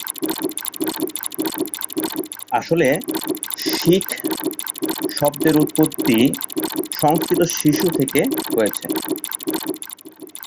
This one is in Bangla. আসলে শিখ শব্দের উৎপত্তি সংস্কৃত 'শিশু' থেকে হয়েছে।